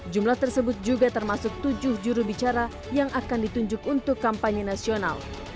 jumlah tersebut juga termasuk tujuh jurubicara yang akan ditunjuk untuk kampanye nasional